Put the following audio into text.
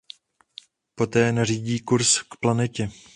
Poté nařídí kurz k planetě.